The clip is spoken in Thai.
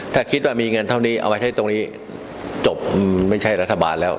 ถ้าคิดว่ามีเงินเท่านี้เอาไว้ใช้ตรงนี้จบไม่ใช่รัฐบาลแล้ว